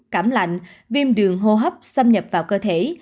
cảm lạnh viêm đường hô hấp xâm nhập vào cơ thể